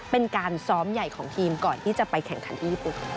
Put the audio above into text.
เป็นการซ้อมใหญ่ของทีมก่อนที่จะไปแข่งขันที่ญี่ปุ่น